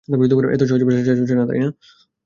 এত সহজে এসব শেষ হচ্ছে না, তাই না?